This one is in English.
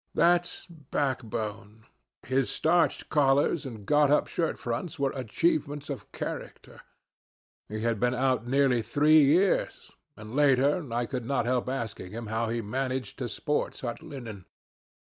That's backbone. His starched collars and got up shirt fronts were achievements of character. He had been out nearly three years; and, later on, I could not help asking him how he managed to sport such linen.